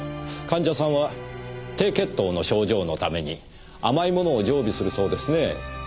患者さんは低血糖の症状のために甘いものを常備するそうですね。